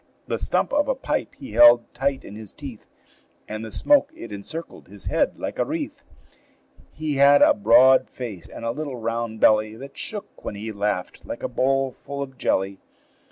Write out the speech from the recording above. The stump of a pipe he held tight in his teeth, And the smoke it encircled his head like a wreath. He had a broad face and a little round belly That shook, when he laughed, like a bowl full of jelly.